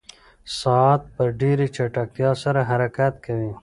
ساعت په ډېرې چټکتیا سره حرکت کوي.